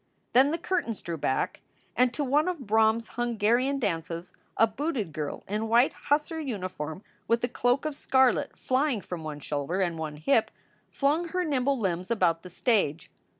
Then the curtains drew back and to one of Brahms s Hungarian dances a booted girl in white Hussar uniform with a cloak of scarlet flying from one shoulder and one hip, flung her nimble limbs about the stage.